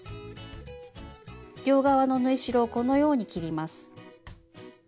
両側の縫い代をこのように切ります。